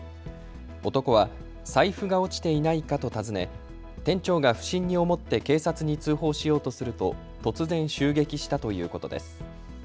男は財布が落ちていないかと尋ね店長が不審に思って警察に通報しようとすると突然襲撃したということです。